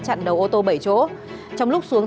chặn đầu ô tô bảy chỗ trong lúc xuống